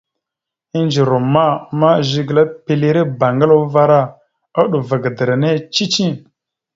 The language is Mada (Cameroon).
Indze ruma ma Zigəla epilire bangəla uvar a, uɗuva gadəra nehe cici.